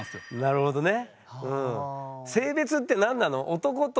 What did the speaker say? なるほどね。